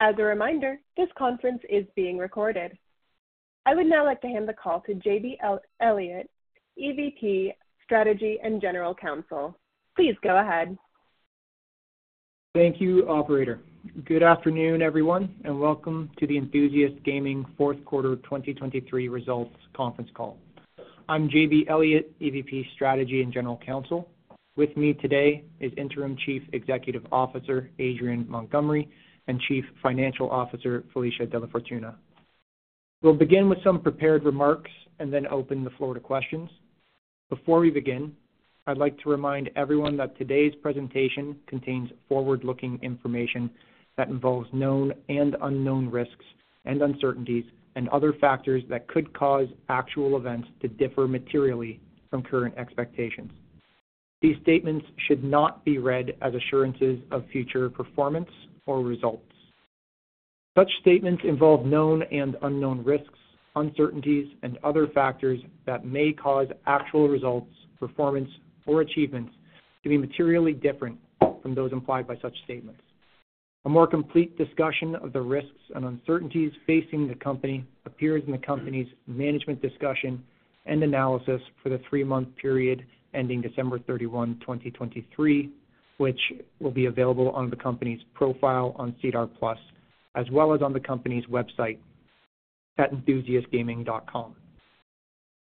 As a reminder, this conference is being recorded. I would now like to hand the call to J.B. Elliott, EVP Strategy and General Counsel. Please go ahead. Thank you, Operator. Good afternoon, everyone, and welcome to the Enthusiast Gaming Fourth Quarter 2023 Results Conference Call. I'm J.B. Elliott, EVP Strategy and General Counsel. With me today is Interim Chief Executive Officer Adrian Montgomery and Chief Financial Officer Felicia DellaFortuna. We'll begin with some prepared remarks and then open the floor to questions. Before we begin, I'd like to remind everyone that today's presentation contains forward-looking information that involves known and unknown risks and uncertainties and other factors that could cause actual events to differ materially from current expectations. These statements should not be read as assurances of future performance or results. Such statements involve known and unknown risks, uncertainties, and other factors that may cause actual results, performance, or achievements to be materially different from those implied by such statements. A more complete discussion of the risks and uncertainties facing the company appears in the company's management discussion and analysis for the three-month period ending December 31, 2023, which will be available on the company's profile on SEDAR+ as well as on the company's website, at enthusiastgaming.com.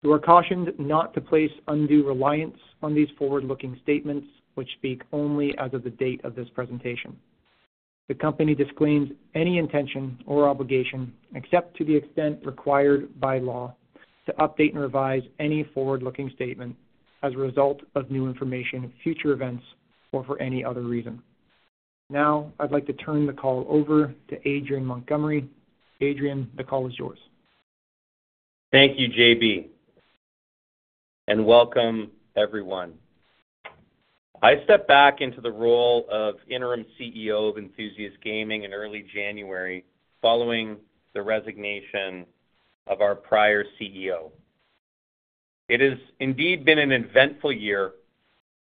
We are cautioned not to place undue reliance on these forward-looking statements, which speak only as of the date of this presentation. The company disclaims any intention or obligation except to the extent required by law to update and revise any forward-looking statement as a result of new information, future events, or for any other reason. Now I'd like to turn the call over to Adrian Montgomery. Adrian, the call is yours. Thank you, J.B., and welcome, everyone. I stepped back into the role of Interim CEO of Enthusiast Gaming in early January following the resignation of our prior CEO. It has indeed been an eventful year,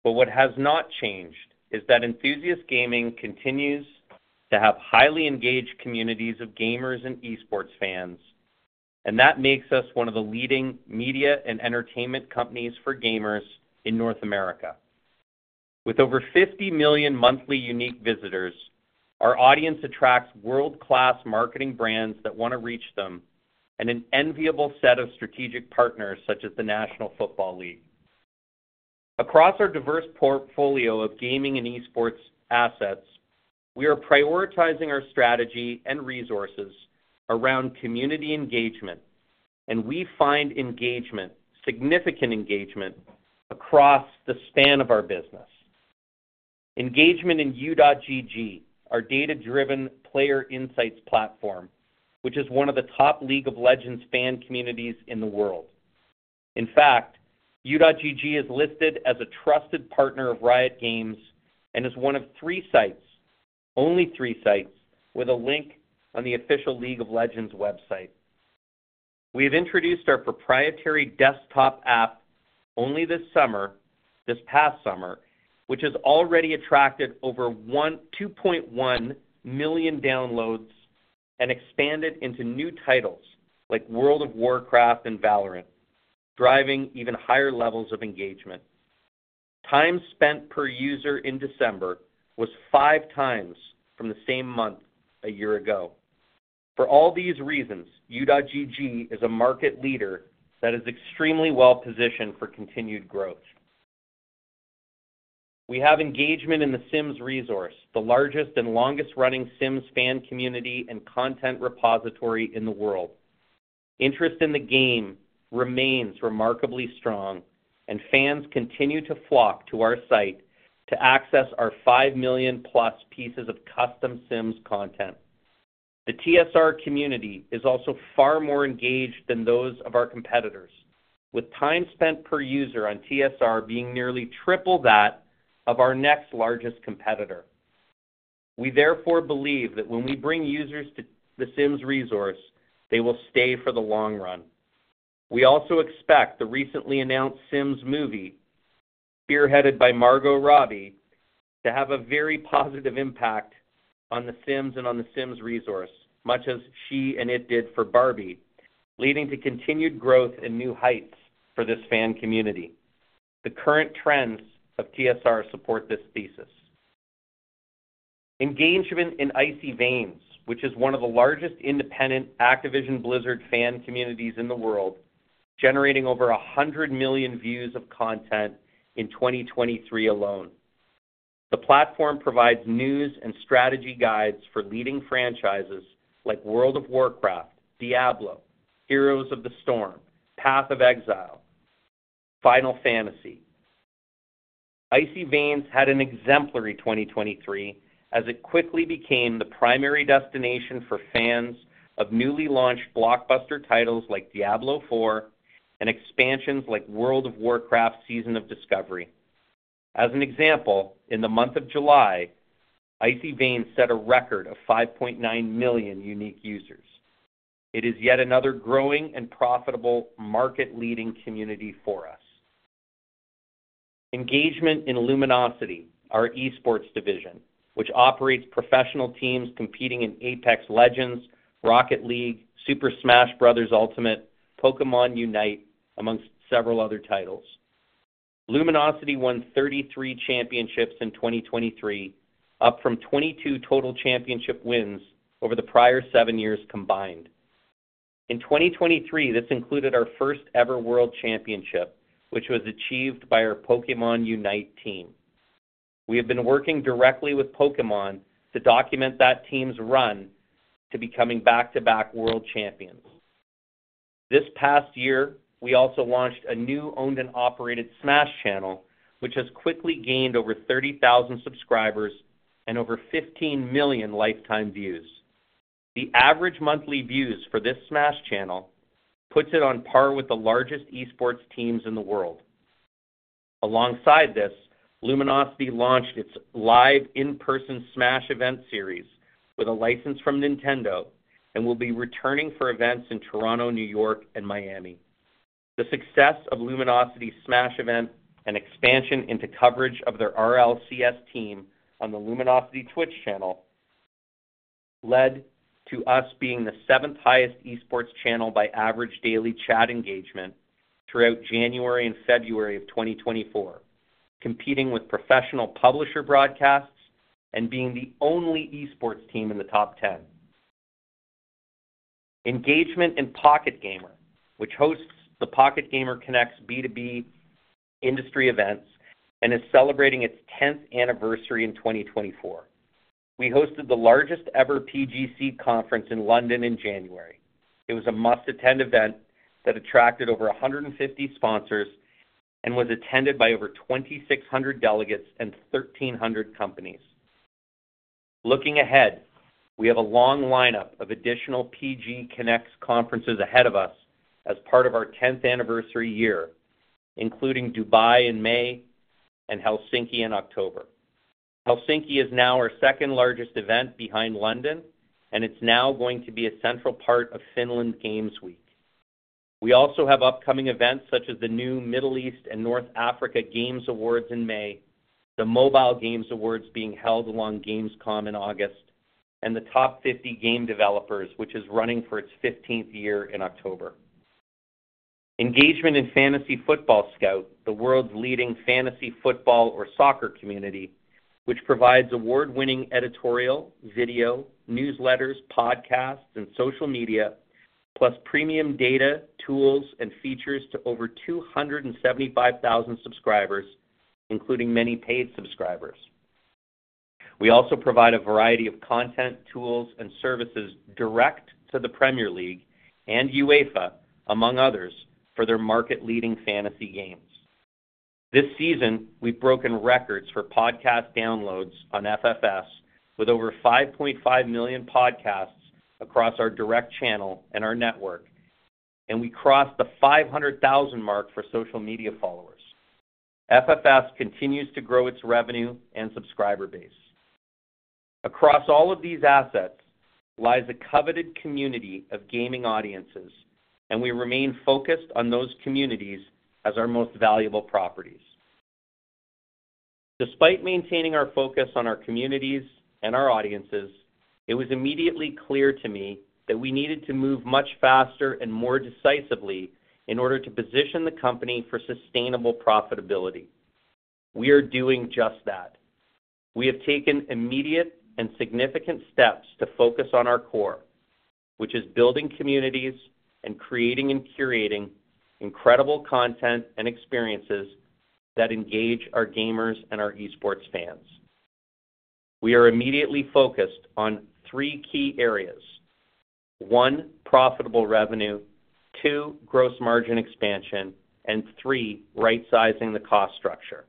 but what has not changed is that Enthusiast Gaming continues to have highly engaged communities of gamers and Esports fans, and that makes us one of the leading media and entertainment companies for gamers in North America. With over 50 million monthly unique visitors, our audience attracts world-class marketing brands that want to reach them and an enviable set of strategic partners such as the National Football League. Across our diverse portfolio of gaming and Esports assets, we are prioritizing our strategy and resources around community engagement, and we find engagement, significant engagement, across the span of our business. Engagement in U.GG, our data-driven player insights platform, which is one of the top League of Legends fan communities in the world. In fact, U.GG is listed as a trusted partner of Riot Games and is one of three sites, only three sites, with a link on the official League of Legends website. We have introduced our proprietary desktop app only this summer, this past summer, which has already attracted over 2.1 million downloads and expanded into new titles like World of Warcraft and Valorant, driving even higher levels of engagement. Time spent per user in December was 5x from the same month a year ago. For all these reasons, U.GG is a market leader that is extremely well positioned for continued growth. We have engagement in The Sims Resource, the largest and longest-running Sims fan community and content repository in the world. Interest in the game remains remarkably strong, and fans continue to flock to our site to access our 5 million plus pieces of custom Sims content. The TSR community is also far more engaged than those of our competitors, with time spent per user on TSR being nearly triple that of our next largest competitor. We therefore believe that when we bring users to The Sims Resource, they will stay for the long run. We also expect the recently announced Sims movie, spearheaded by Margot Robbie, to have a very positive impact on the Sims and on The Sims Resource, much as she and it did for Barbie, leading to continued growth and new heights for this fan community. The current trends of TSR support this thesis. Engagement in Icy Veins, which is one of the largest independent Activision Blizzard fan communities in the world, generating over 100 million views of content in 2023 alone. The platform provides news and strategy guides for leading franchises like World of Warcraft, Diablo, Heroes of the Storm, Path of Exile, Final Fantasy. Icy Veins had an exemplary 2023 as it quickly became the primary destination for fans of newly launched blockbuster titles like Diablo IV and expansions like World of Warcraft: Season of Discovery. As an example, in the month of July, Icy Veins set a record of 5.9 million unique users. It is yet another growing and profitable market-leading community for us. Engagement in Luminosity, our esports division, which operates professional teams competing in Apex Legends, Rocket League, Super Smash Bros. Ultimate, Pokémon Unite, amongst several other titles. Luminosity won 33 championships in 2023, up from 22 total championship wins over the prior seven years combined. In 2023, this included our first-ever world championship, which was achieved by our Pokémon Unite team. We have been working directly with Pokémon to document that team's run to becoming back-to-back world champions. This past year, we also launched a new owned and operated Smash channel, which has quickly gained over 30,000 subscribers and over 15 million lifetime views. The average monthly views for this Smash channel puts it on par with the largest Esports teams in the world. Alongside this, Luminosity launched its live in-person Smash event series with a license from Nintendo and will be returning for events in Toronto, New York, and Miami. The success of Luminosity's Smash event and expansion into coverage of their RLCS team on the Luminosity Twitch channel led to us being the seventh-highest Esports channel by average daily chat engagement throughout January and February of 2024, competing with professional publisher broadcasts and being the only Esports team in the top 10. Engagement in Pocket Gamer, which hosts the Pocket Gamer Connects B2B industry events and is celebrating its 10th anniversary in 2024. We hosted the largest-ever PGC conference in London in January. It was a must-attend event that attracted over 150 sponsors and was attended by over 2,600 delegates and 1,300 companies. Looking ahead, we have a long lineup of additional PG Connect conferences ahead of us as part of our 10th anniversary year, including Dubai in May and Helsinki in October. Helsinki is now our second-largest event behind London, and it's now going to be a central part of Finland Games Week. We also have upcoming events such as the new Middle East and North Africa Games Awards in May, the Mobile Games Awards being held along Gamescom in August, and the Top 50 Game Developers, which is running for its 15th year in October. Engagement in Fantasy Football Scout, the world's leading fantasy football or soccer community, which provides award-winning editorial, video, newsletters, podcasts, and social media, plus premium data, tools, and features to over 275,000 subscribers, including many paid subscribers. We also provide a variety of content, tools, and services direct to the Premier League and UEFA, among others, for their market-leading fantasy games. This season, we've broken records for podcast downloads on FFS with over 5.5 million podcasts across our direct channel and our network, and we crossed the 500,000 mark for social media followers. FFS continues to grow its revenue and subscriber base. Across all of these assets lies a coveted community of gaming audiences, and we remain focused on those communities as our most valuable properties. Despite maintaining our focus on our communities and our audiences, it was immediately clear to me that we needed to move much faster and more decisively in order to position the company for sustainable profitability. We are doing just that. We have taken immediate and significant steps to focus on our core, which is building communities and creating and curating incredible content and experiences that engage our gamers and our esports fans. We are immediately focused on three key areas: one, profitable revenue, two gross margin expansion, and three right-sizing the cost structure.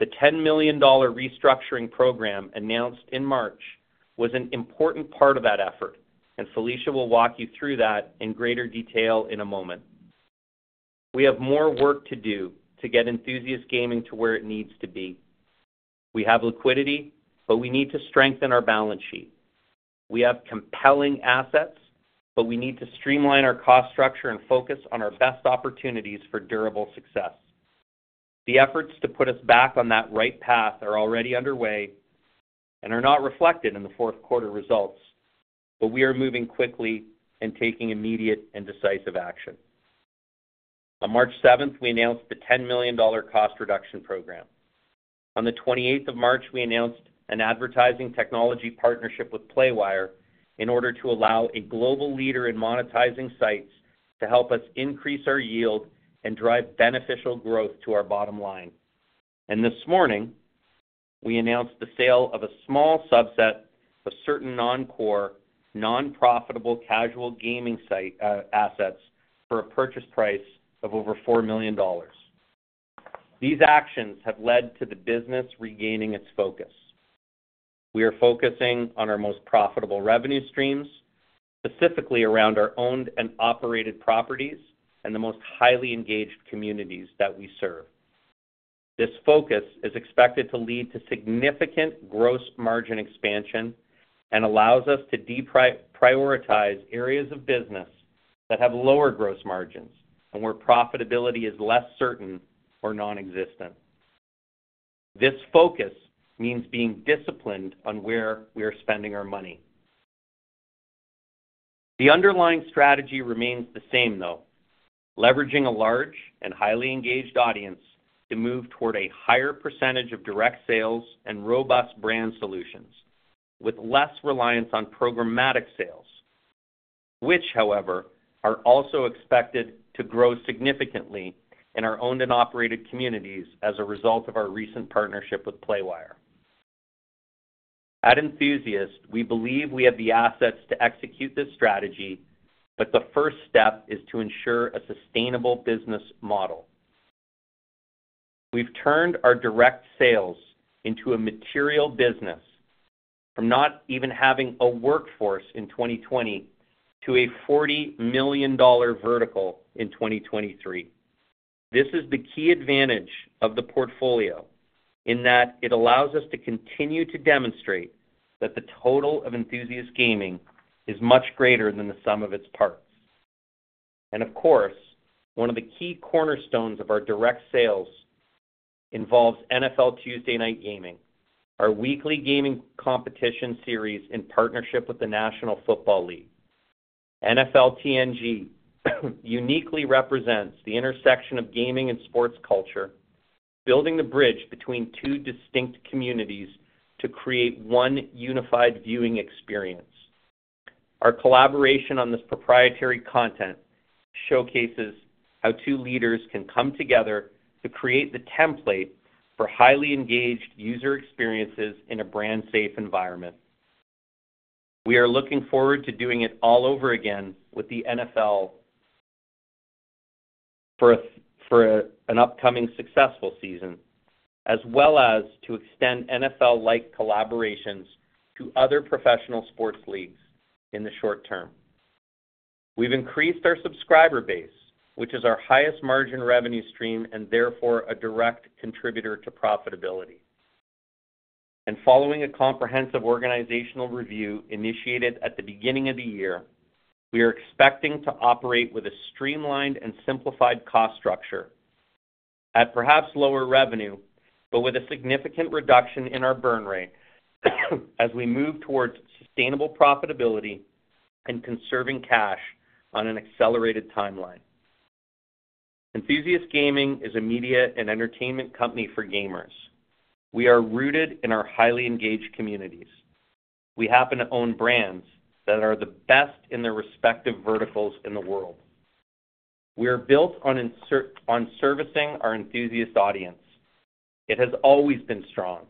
The $10 million restructuring program announced in March was an important part of that effort, and Felicia will walk you through that in greater detail in a moment. We have more work to do to get Enthusiast Gaming to where it needs to be. We have liquidity, but we need to strengthen our balance sheet. We have compelling assets, but we need to streamline our cost structure and focus on our best opportunities for durable success. The efforts to put us back on that right path are already underway and are not reflected in the fourth quarter results, but we are moving quickly and taking immediate and decisive action. On March 7th, we announced the $10 million cost reduction program. On the 28th of March, we announced an advertising technology partnership with Playwire in order to allow a global leader in monetizing sites to help us increase our yield and drive beneficial growth to our bottom line. This morning, we announced the sale of a small subset of certain non-core, non-profitable casual gaming assets for a purchase price of over $4 million. These actions have led to the business regaining its focus. We are focusing on our most profitable revenue streams, specifically around our owned and operated properties and the most highly engaged communities that we serve. This focus is expected to lead to significant gross margin expansion and allows us to deprioritize areas of business that have lower gross margins and where profitability is less certain or nonexistent. This focus means being disciplined on where we are spending our money. The underlying strategy remains the same, though, leveraging a large and highly engaged audience to move toward a higher percentage of direct sales and robust brand solutions with less reliance on programmatic sales, which, however, are also expected to grow significantly in our owned and operated communities as a result of our recent partnership with Playwire. At Enthusiast, we believe we have the assets to execute this strategy, but the first step is to ensure a sustainable business model. We've turned our direct sales into a material business from not even having a workforce in 2020 to a $40 million vertical in 2023. This is the key advantage of the portfolio in that it allows us to continue to demonstrate that the total of Enthusiast Gaming is much greater than the sum of its parts. Of course, one of the key cornerstones of our direct sales involves NFL Tuesday Night Gaming, our weekly gaming competition series in partnership with the National Football League. NFL TNG uniquely represents the intersection of gaming and sports culture, building the bridge between two distinct communities to create one unified viewing experience. Our collaboration on this proprietary content showcases how two leaders can come together to create the template for highly engaged user experiences in a brand-safe environment. We are looking forward to doing it all over again with the NFL for an upcoming successful season, as well as to extend NFL-like collaborations to other professional sports leagues in the short term. We've increased our subscriber base, which is our highest margin revenue stream and therefore a direct contributor to profitability. And following a comprehensive organizational review initiated at the beginning of the year, we are expecting to operate with a streamlined and simplified cost structure at perhaps lower revenue, but with a significant reduction in our burn rate as we move towards sustainable profitability and conserving cash on an accelerated timeline. Enthusiast Gaming is a media and entertainment company for gamers. We are rooted in our highly engaged communities. We happen to own brands that are the best in their respective verticals in the world. We are built on servicing our enthusiast audience. It has always been strong,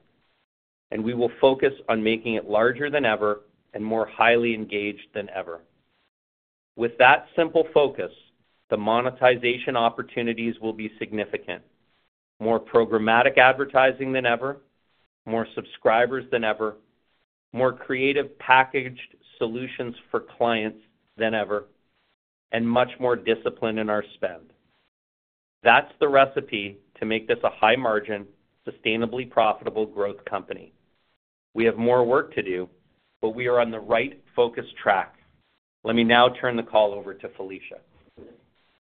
and we will focus on making it larger than ever and more highly engaged than ever. With that simple focus, the monetization opportunities will be significant: more programmatic advertising than ever, more subscribers than ever, more creative packaged solutions for clients than ever, and much more discipline in our spend. That's the recipe to make this a high-margin, sustainably profitable growth company. We have more work to do, but we are on the right focus track. Let me now turn the call over to Felicia.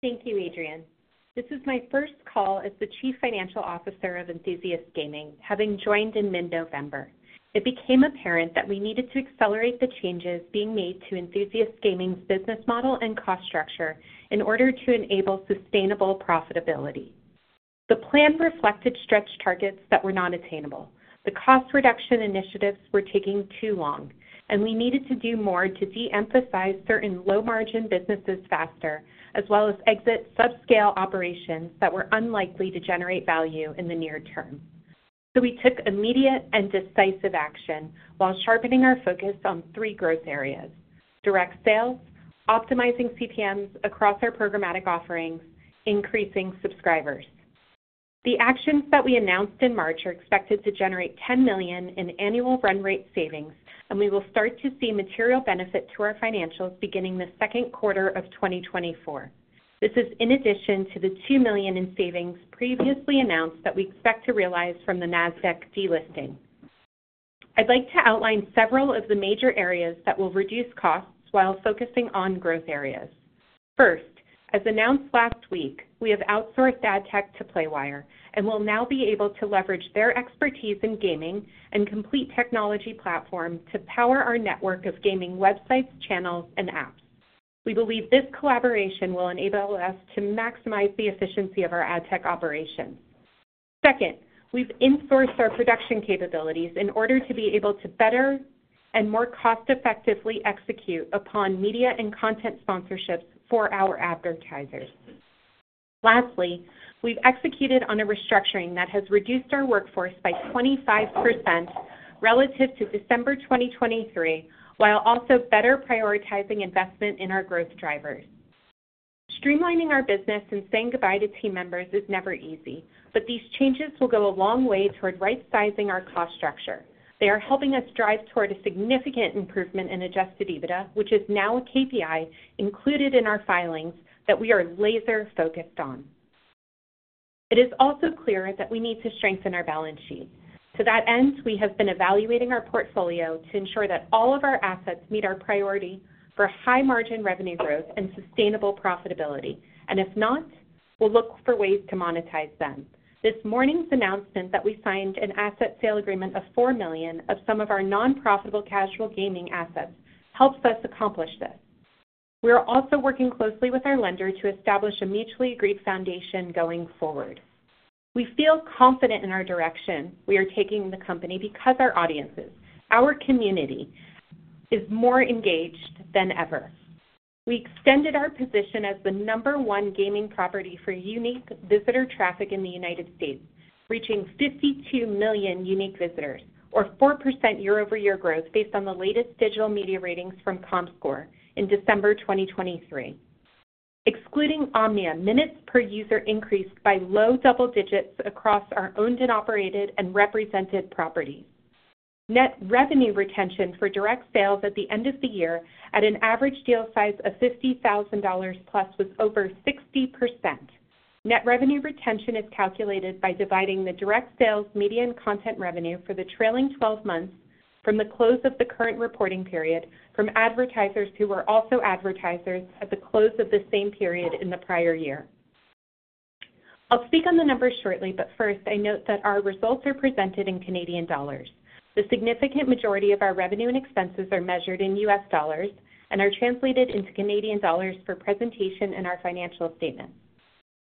Thank you, Adrian. This is my first call as the Chief Financial Officer of Enthusiast Gaming, having joined in mid-November. It became apparent that we needed to accelerate the changes being made to Enthusiast Gaming's business model and cost structure in order to enable sustainable profitability. The plan reflected stretched targets that were non-attainable. The cost reduction initiatives were taking too long, and we needed to do more to de-emphasize certain low-margin businesses faster, as well as exit subscale operations that were unlikely to generate value in the near term. So we took immediate and decisive action while sharpening our focus on three growth areas: direct sales, optimizing CPMs across our programmatic offerings, and increasing subscribers. The actions that we announced in March are expected to generate 10 million in annual run rate savings, and we will start to see material benefit to our financials beginning the second quarter of 2024. This is in addition to the 2 million in savings previously announced that we expect to realize from the NASDAQ delisting. I'd like to outline several of the major areas that will reduce costs while focusing on growth areas. First, as announced last week, we have outsourced AdTech to Playwire and will now be able to leverage their expertise in gaming and complete technology platform to power our network of gaming websites, channels, and apps. We believe this collaboration will enable us to maximize the efficiency of our AdTech operations. Second, we've insourced our production capabilities in order to be able to better and more cost-effectively execute upon media and content sponsorships for our advertisers. Lastly, we've executed on a restructuring that has reduced our workforce by 25% relative to December 2023, while also better prioritizing investment in our growth drivers. Streamlining our business and saying goodbye to team members is never easy, but these changes will go a long way toward right-sizing our cost structure. They are helping us drive toward a significant improvement in Adjusted EBITDA, which is now a KPI included in our filings that we are laser-focused on. It is also clear that we need to strengthen our balance sheet. To that end, we have been evaluating our portfolio to ensure that all of our assets meet our priority for high-margin revenue growth and sustainable profitability, and if not, we'll look for ways to monetize them. This morning's announcement that we signed an asset sale agreement of 4 million of some of our non-profitable casual gaming assets helps us accomplish this. We are also working closely with our lender to establish a mutually agreed foundation going forward. We feel confident in our direction we are taking the company because our audiences, our community, is more engaged than ever. We extended our position as the number one gaming property for unique visitor traffic in the United States, reaching 52 million unique visitors, or 4% year-over-year growth based on the latest digital media ratings from Comscore in December 2023, excluding Omnia, minutes per user increased by low double digits across our owned and operated and represented properties. Net revenue retention for direct sales at the end of the year, at an average deal size of $50,000+, with over 60%. Net revenue retention is calculated by dividing the direct sales media and content revenue for the trailing 12 months from the close of the current reporting period from advertisers who were also advertisers at the close of the same period in the prior year. I'll speak on the numbers shortly, but first, I note that our results are presented in Canadian dollars. The significant majority of our revenue and expenses are measured in US dollars and are translated into Canadian dollars for presentation in our financial statements.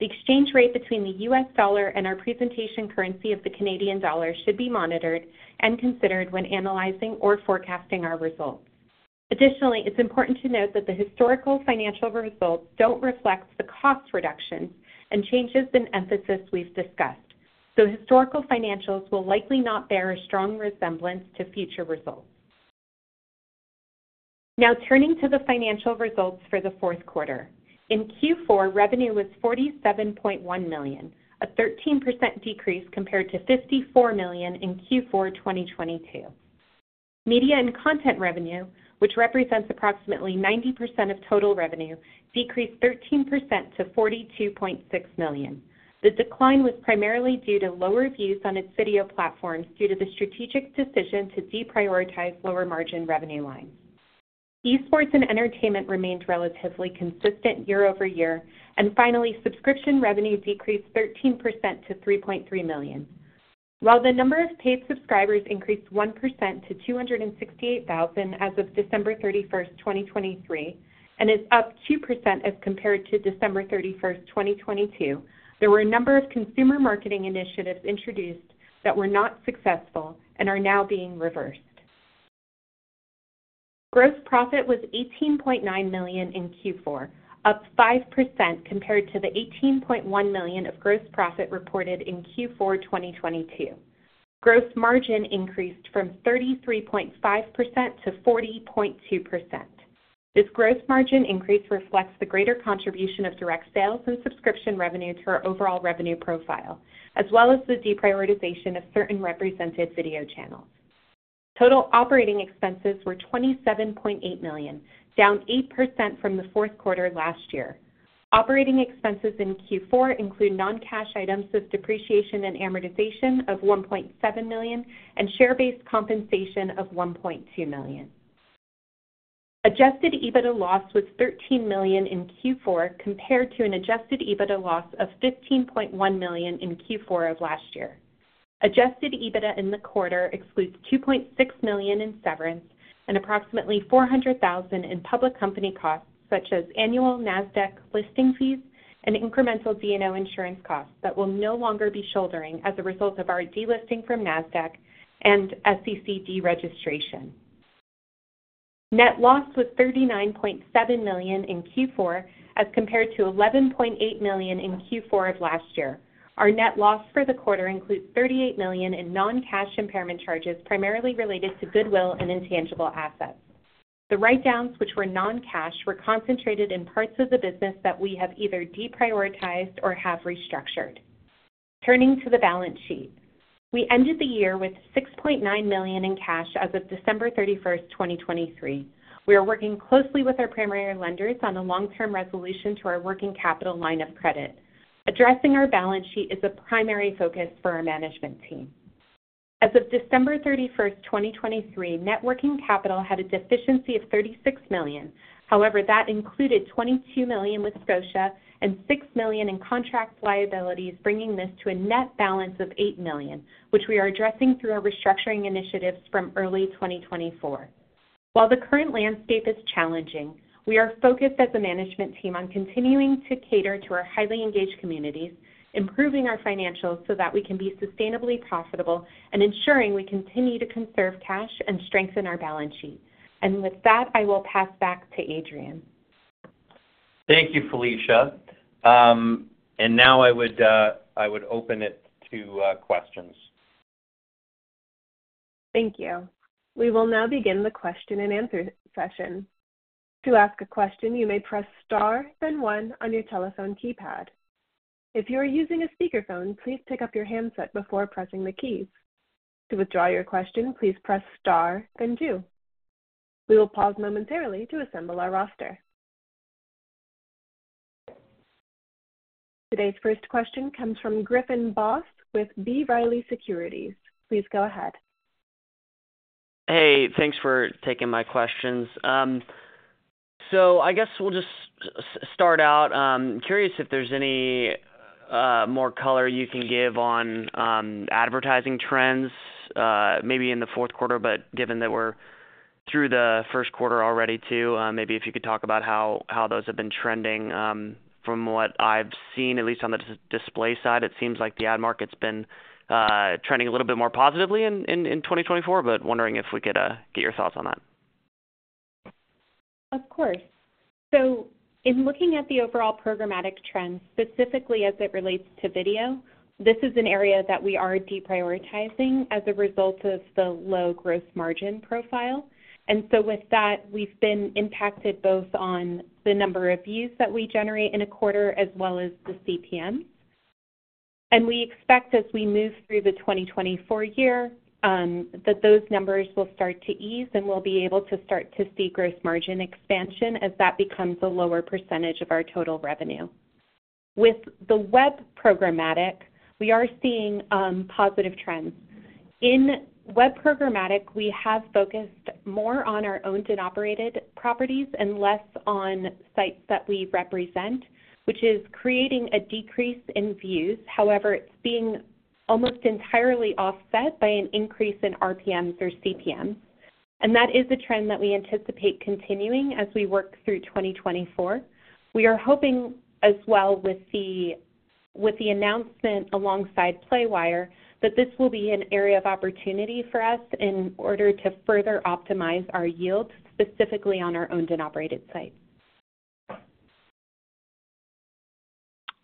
The exchange rate between the US dollar and our presentation currency of the Canadian dollar should be monitored and considered when analyzing or forecasting our results. Additionally, it's important to note that the historical financial results don't reflect the cost reductions and changes in emphasis we've discussed, so historical financials will likely not bear a strong resemblance to future results. Now, turning to the financial results for the fourth quarter. In Q4, revenue was 47.1 million, a 13% decrease compared to 54 million in Q4 2022. Media and content revenue, which represents approximately 90% of total revenue, decreased 13% to 42.6 million. The decline was primarily due to lower views on its video platforms due to the strategic decision to deprioritize lower-margin revenue lines. Esports and entertainment remained relatively consistent year-over-year, and finally, subscription revenue decreased 13% to 3.3 million. While the number of paid subscribers increased 1% to 268,000 as of December 31st, 2023, and is up 2% as compared to December 31st, 2022, there were a number of consumer marketing initiatives introduced that were not successful and are now being reversed. Gross profit was 18.9 million in Q4, up 5% compared to the 18.1 million of gross profit reported in Q4 2022. Gross margin increased from 33.5%-40.2%. This gross margin increase reflects the greater contribution of direct sales and subscription revenue to our overall revenue profile, as well as the deprioritization of certain represented video channels. Total operating expenses were 27.8 million, down 8% from the fourth quarter last year. Operating expenses in Q4 include non-cash items of depreciation and amortization of 1.7 million and share-based compensation of 1.2 million. Adjusted EBITDA loss was 13 million in Q4 compared to an adjusted EBITDA loss of 15.1 million in Q4 of last year. Adjusted EBITDA in the quarter excludes 2.6 million in severance and approximately 400,000 in public company costs, such as annual NASDAQ listing fees and incremental D&O insurance costs that will no longer be shouldering as a result of our delisting from NASDAQ and SEC deregistration. Net loss was 39.7 million in Q4 as compared to 11.8 million in Q4 of last year. Our net loss for the quarter includes 38 million in non-cash impairment charges primarily related to goodwill and intangible assets. The write-downs, which were non-cash, were concentrated in parts of the business that we have either deprioritized or have restructured. Turning to the balance sheet, we ended the year with 6.9 million in cash as of December 31st, 2023. We are working closely with our primary lenders on a long-term resolution to our working capital line of credit. Addressing our balance sheet is a primary focus for our management team. As of December 31st, 2023, net working capital had a deficiency of 36 million. However, that included 22 million with Scotia and 6 million in contract liabilities, bringing this to a net balance of 8 million, which we are addressing through our restructuring initiatives from early 2024. While the current landscape is challenging, we are focused as a management team on continuing to cater to our highly engaged communities, improving our financials so that we can be sustainably profitable, and ensuring we continue to conserve cash and strengthen our balance sheet. And with that, I will pass back to Adrian. Thank you, Felicia. And now I would open it to questions. Thank you. We will now begin the Q&A session. To ask a question, you may press star, then one, on your telephone keypad. If you are using a speakerphone, please pick up your handset before pressing the keys. To withdraw your question, please press star, then two. We will pause momentarily to assemble our roster. Today's first question comes from Griffin Boss with B. Riley Securities. Please go ahead. Hey, thanks for taking my questions. So I guess we'll just start out. I'm curious if there's any more color you can give on advertising trends, maybe in the fourth quarter, but given that we're through the first quarter already too, maybe if you could talk about how those have been trending. From what I've seen, at least on the display side, it seems like the ad market's been trending a little bit more positively in 2024, but wondering if we could get your thoughts on that? Of course. So in looking at the overall programmatic trends, specifically as it relates to video, this is an area that we are deprioritizing as a result of the low gross margin profile. And so with that, we've been impacted both on the number of views that we generate in a quarter as well as the CPMs. And we expect, as we move through the 2024 year, that those numbers will start to ease and we'll be able to start to see gross margin expansion as that becomes a lower percentage of our total revenue. With the web programmatic, we are seeing positive trends. In web programmatic, we have focused more on our owned and operated properties and less on sites that we represent, which is creating a decrease in views. However, it's being almost entirely offset by an increase in RPMs or CPMs. And that is a trend that we anticipate continuing as we work through 2024. We are hoping, as well with the announcement alongside Playwire, that this will be an area of opportunity for us in order to further optimize our yield, specifically on our owned and operated sites.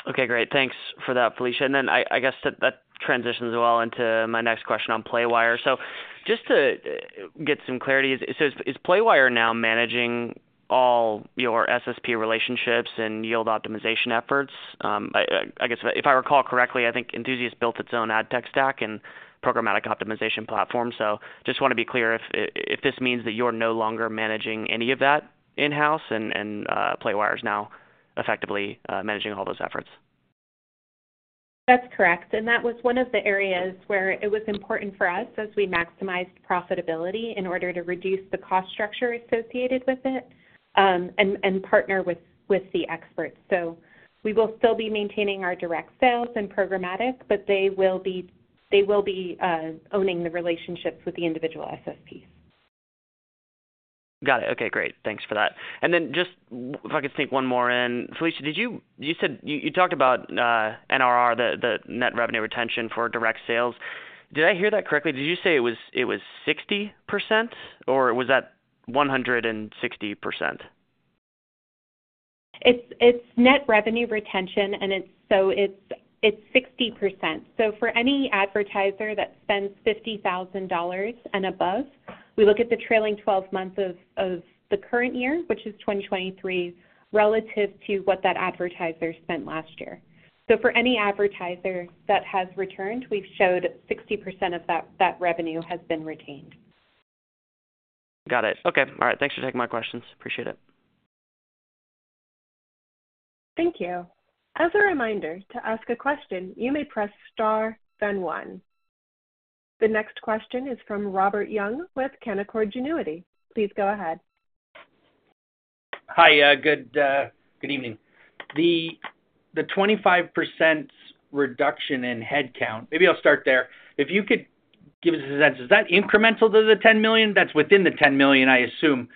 Okay, great. Thanks for that, Felicia. And then I guess that transitions well into my next question on Playwire. So just to get some clarity, is Playwire now managing all your SSP relationships and yield optimization efforts? I guess if I recall correctly, I think Enthusiast built its own AdTech stack and programmatic optimization platform. So just want to be clear if this means that you're no longer managing any of that in-house? And Playwire is now effectively managing all those efforts? That's correct. And that was one of the areas where it was important for us as we maximized profitability in order to reduce the cost structure associated with it and partner with the experts. So we will still be maintaining our direct sales and programmatic, but they will be owning the relationships with the individual SSPs. Got it. Okay, great. Thanks for that. And then just if I could sneak one more in, Felicia, you talked about NRR, the Net revenue retention for direct sales. Did I hear that correctly? Did you say it was 60%, or was that 160%? It's Net revenue retention, and so it's 60%. So for any advertiser that spends $50,000 and above, we look at the trailing 12 months of the current year, which is 2023, relative to what that advertiser spent last year. So for any advertiser that has returned, we've showed 60% of that revenue has been retained. Got it. Okay. All right. Thanks for taking my questions. Appreciate it. Thank you. As a reminder, to ask a question, you may press star, then one. The next question is from Robert Young with Canaccord Genuity. Please go ahead. Hi. Good evening. The 25% reduction in headcount maybe I'll start there. If you could give us a sense, is that incremental to the $10 million? That's within the $10 million, I assume.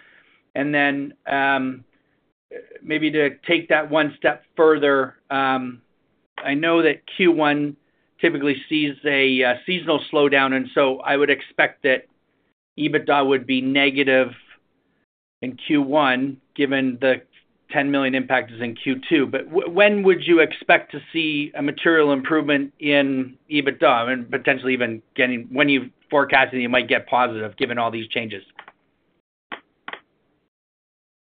And then maybe to take that one step further, I know that Q1 typically sees a seasonal slowdown, and so I would expect that EBITDA would be negative in Q1 given the 10 million impact is in Q2. But when would you expect to see a material improvement in EBITDA and potentially even when you forecast that you might get positive given all these changes?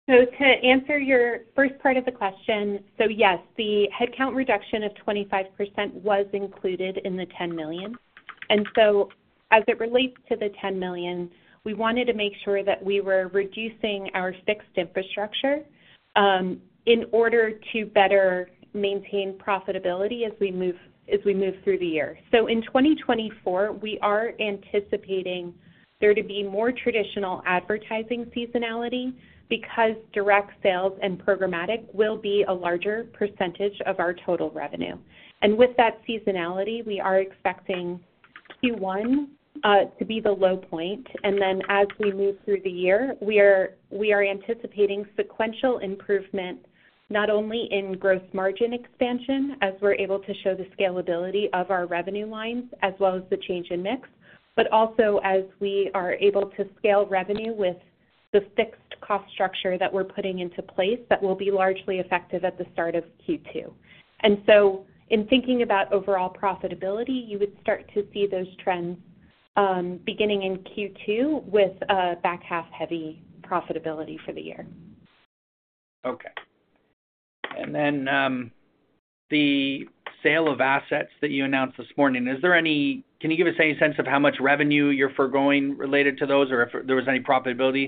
So to answer your first part of the question, so yes, the headcount reduction of 25% was included in the 10 million. And so as it relates to the 10 million, we wanted to make sure that we were reducing our fixed infrastructure in order to better maintain profitability as we move through the year. So in 2024, we are anticipating there to be more traditional advertising seasonality because direct sales and programmatic will be a larger percentage of our total revenue. With that seasonality, we are expecting Q1 to be the low point. And then as we move through the year, we are anticipating sequential improvement not only in gross margin expansion as we're able to show the scalability of our revenue lines as well as the change in mix, but also as we are able to scale revenue with the fixed cost structure that we're putting into place that will be largely effective at the start of Q2. And so in thinking about overall profitability, you would start to see those trends beginning in Q2 with back half-heavy profitability for the year. Okay. And then the sale of assets that you announced this morning, can you give us any sense of how much revenue you're foregoing related to those or if there was any profitability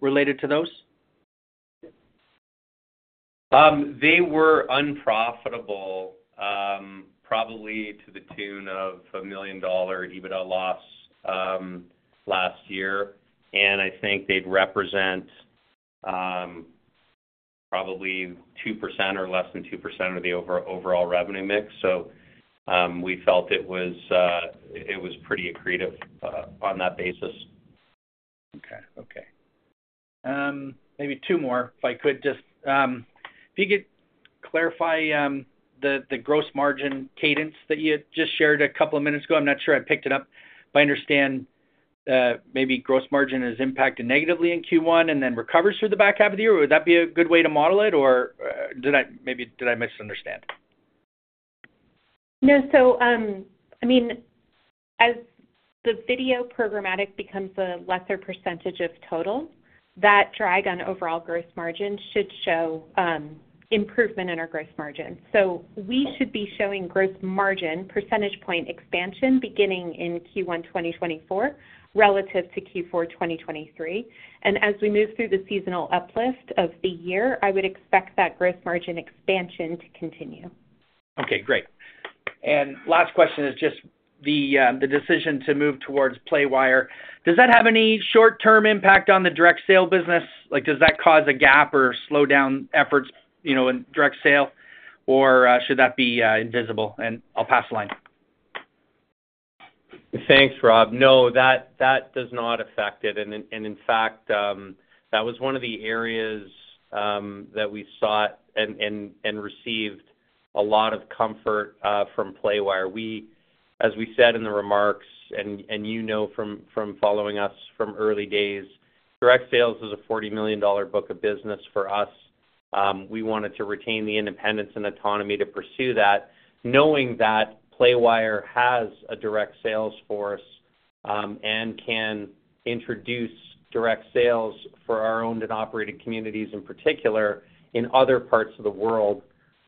related to those? They were unprofitable, probably to the tune of a $1 million EBITDA loss last year. I think they'd represent probably 2% or less than 2% of the overall revenue mix. We felt it was pretty accretive on that basis. Okay. Okay. Maybe two more, if I could. Just if you could clarify the gross margin cadence that you had just shared a couple of minutes ago. I'm not sure I picked it up. I understand maybe gross margin is impacted negatively in Q1 and then recovers through the back half of the year. Would that be a good way to model it, or maybe did I misunderstand? No. I mean, as the video programmatic becomes a lesser percentage of total, that drag on overall gross margin should show improvement in our gross margin. So we should be showing gross margin percentage point expansion beginning in Q1 2024 relative to Q4 2023. And as we move through the seasonal uplift of the year, I would expect that gross margin expansion to continue. Okay, great. And last question is just the decision to move towards Playwire. Does that have any short-term impact on the direct sale business? Does that cause a gap or slowdown efforts in direct sale, or should that be invisible? And I'll pass the line. Thanks, Rob. No, that does not affect it. And in fact, that was one of the areas that we sought and received a lot of comfort from Playwire. As we said in the remarks, and you know from following us from early days, direct sales is a $40 million book of business for us. We wanted to retain the independence and autonomy to pursue that, knowing that Playwire has a direct sales force and can introduce direct sales for our owned and operated communities in particular in other parts of the world,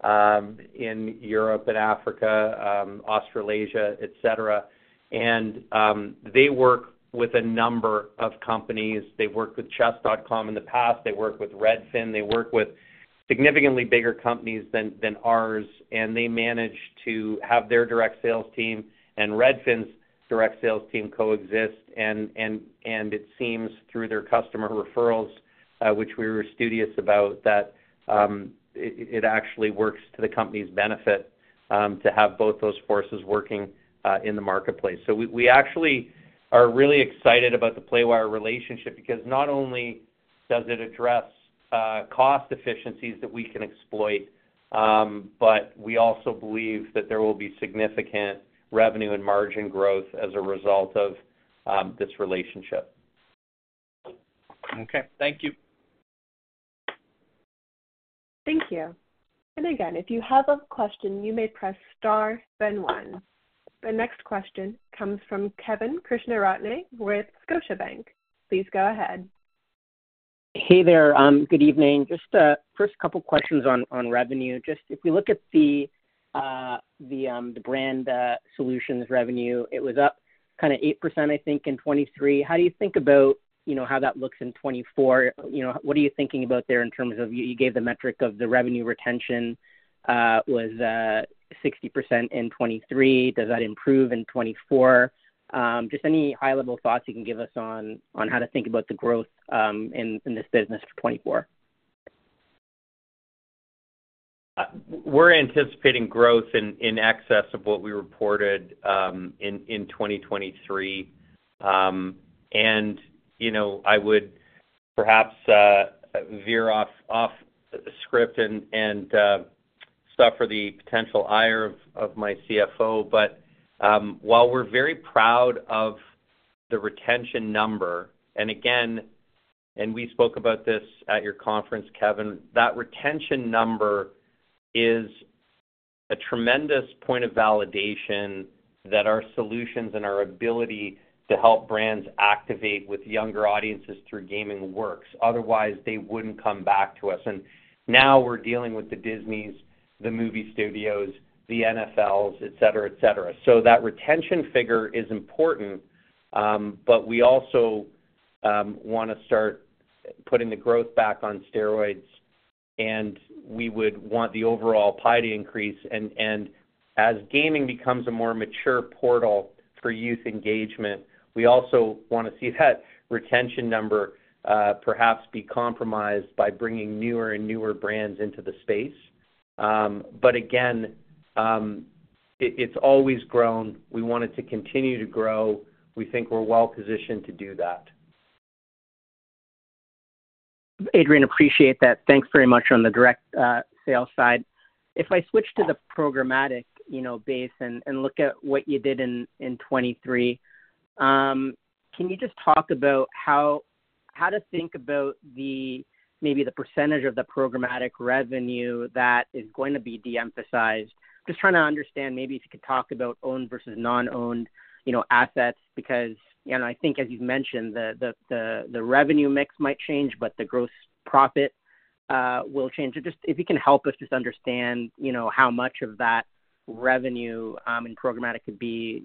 in Europe, in Africa, Australasia, etc. They work with a number of companies. They've worked with Chess.com in the past. They work with Redfin. They work with significantly bigger companies than ours. They manage to have their direct sales team and Redfin's direct sales team coexist. It seems through their customer referrals, which we were studious about, that it actually works to the company's benefit to have both those forces working in the marketplace. So we actually are really excited about the Playwire relationship because not only does it address cost efficiencies that we can exploit, but we also believe that there will be significant revenue and margin growth as a result of this relationship. Okay. Thank you. Thank you. And again, if you have a question, you may press star, then one. The next question comes from Kevin Krishnaratne with Scotiabank. Please go ahead. Hey there. Good evening. Just first couple of questions on revenue. Just if we look at the brand solutions revenue, it was up kind of 8%, I think, in 2023. How do you think about how that looks in 2024? What are you thinking about there in terms of you gave the metric of the revenue retention was 60% in 2023. Does that improve in 2024? Just any high-level thoughts you can give us on how to think about the growth in this business for 2024. We're anticipating growth in excess of what we reported in 2023. And I would perhaps veer off script and stuff for the potential ire of my CFO. And again, we spoke about this at your conference, Kevin, that retention number is a tremendous point of validation that our solutions and our ability to help brands activate with younger audiences through gaming works. Otherwise, they wouldn't come back to us. And now we're dealing with the Disneys, the movie studios, the NFLs, etc., etc. So that retention figure is important, but we also want to start putting the growth back on steroids. And we would want the overall pie to increase. As gaming becomes a more mature portal for youth engagement, we also want to see that retention number perhaps be compromised by bringing newer and newer brands into the space. But again, it's always grown. We want it to continue to grow. We think we're well-positioned to do that. Adrian, appreciate that. Thanks very much on the direct sales side. If I switch to the programmatic base and look at what you did in 2023, can you just talk about how to think about maybe the percentage of the programmatic revenue that is going to be de-emphasized? Just trying to understand maybe if you could talk about owned versus non-owned assets because I think, as you've mentioned, the revenue mix might change, but the gross profit will change. If you can help us just understand how much of that revenue in programmatic could be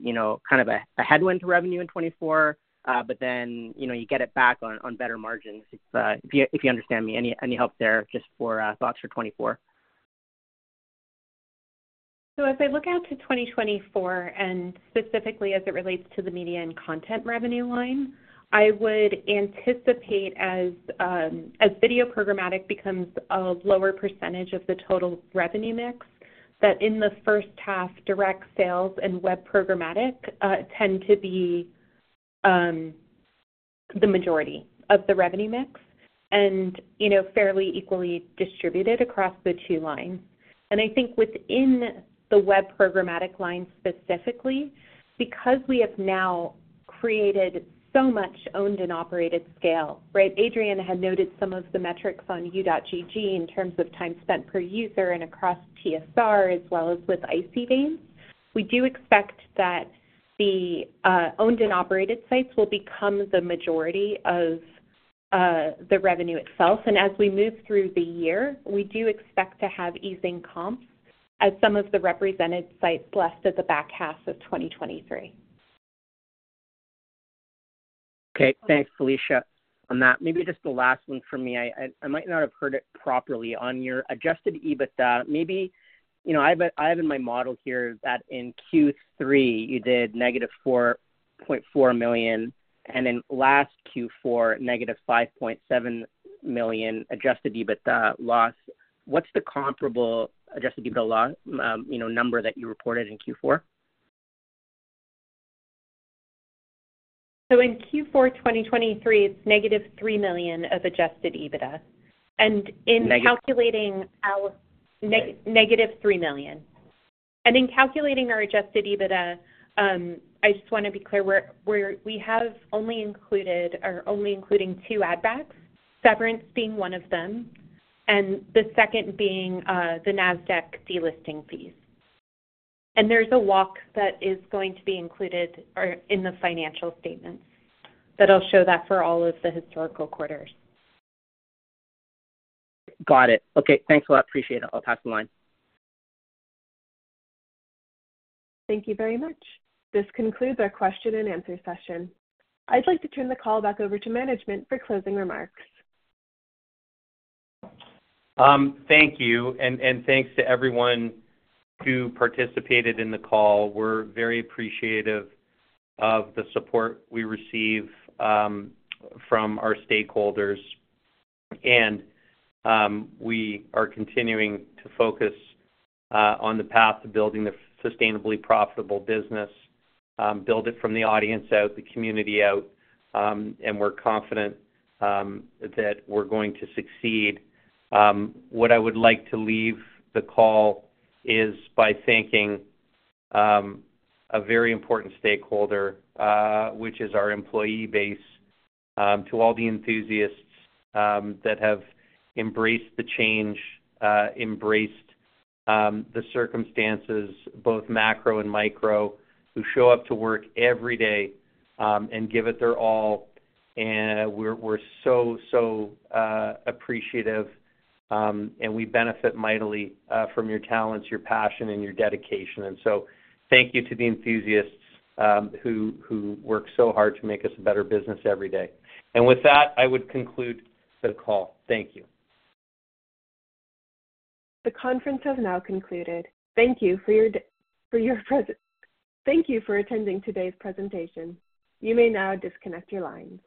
kind of a headwind to revenue in 2024, but then you get it back on better margins, if you understand me? Any help there just for thoughts for 2024? So as I look out to 2024 and specifically as it relates to the media and content revenue line, I would anticipate as video programmatic becomes a lower percentage of the total revenue mix, that in the first half, direct sales and web programmatic tend to be the majority of the revenue mix and fairly equally distributed across the two lines. And I think within the web programmatic line specifically, because we have now created so much owned and operated scale, right? Adrian had noted some of the metrics on U.GG in terms of time spent per user and across TSR as well as with Addicting Games. We do expect that the owned and operated sites will become the majority of the revenue itself. And as we move through the year, we do expect to have easing comps as some of the represented sites left at the back half of 2023. Okay. Thanks, Felicia, on that. Maybe just the last one from me. I might not have heard it properly on your adjusted EBITDA. Maybe I have in my model here that in Q3, you did -4.4 million, and in last Q4, -5.7 million adjusted EBITDA loss. What's the comparable adjusted EBITDA loss number that you reported in Q4? So in Q4 2023, it's -3 million of adjusted EBITDA. And in calculating our -3 million. In calculating our Adjusted EBITDA, I just want to be clear. We have only included or only including two add-backs, severance being one of them and the second being the NASDAQ delisting fees. There's a WACC that is going to be included in the financial statements. But I'll show that for all of the historical quarters. Got it. Okay. Thanks a lot. Appreciate it. I'll pass the line. Thank you very much. This concludes our question-and-answer session. I'd like to turn the call back over to management for closing remarks. Thank you. Thanks to everyone who participated in the call. We're very appreciative of the support we receive from our stakeholders. We are continuing to focus on the path to building a sustainably profitable business, build it from the audience out, the community out. We're confident that we're going to succeed. What I would like to leave the call is by thanking a very important stakeholder, which is our employee base, to all the enthusiasts that have embraced the change, embraced the circumstances, both macro and micro, who show up to work every day and give it their all. And we're so, so appreciative. And we benefit mightily from your talents, your passion, and your dedication. And so thank you to the enthusiasts who work so hard to make us a better business every day. And with that, I would conclude the call. Thank you. The conference has now concluded. Thank you for your thank you for attending today's presentation. You may now disconnect your lines.